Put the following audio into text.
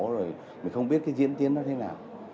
rồi mình không biết cái diễn tiến nó thế nào